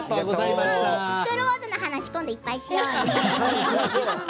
「スクール・ウォーズ」の話今度いっぱいしようね。